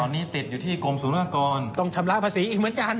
ตอนนี้ติดอยู่ที่กรมศูนยากรต้องชำระภาษีอีกเหมือนกัน